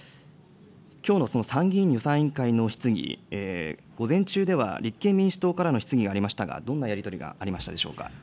きょうのその参議院予算委員会の質疑、午前中では立憲民主党からの質疑がありましたが、どんなやり取りがありましたでしょうか。